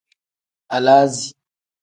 Alaazi.